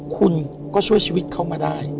คุณก็ช่วยชีวิตเขามาได้